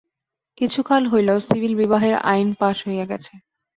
কিছুকাল হইল সিভিল বিবাহের আইন পাস হইয়া গেছে।